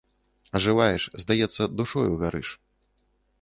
Ажываеш, здаецца, душою гарыш.